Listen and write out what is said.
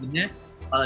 di sini kebalikannya